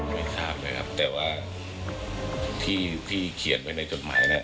ไม่ทราบนะครับแต่ว่าที่เขียนไว้ในจดหมายเนี่ย